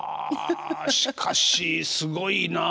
しかしすごいなあ。